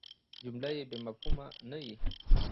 جمله بېمفهومه نه يي.